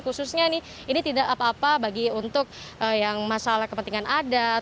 khususnya nih ini tidak apa apa bagi untuk yang masalah kepentingan adat